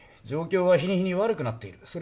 状況は日に日に悪くなっている。